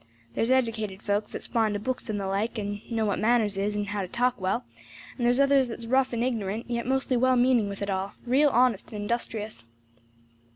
"There's educated folks that's fond o' books and the like, and know what manners is, and how to talk well, and there's others that's rough and ignorant, yet mostly well meaning with it all real honest and industrious.